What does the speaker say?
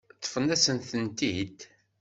Ṭṭfen-asent-tent-id.